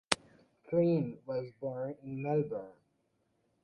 Crean was born in Melbourne.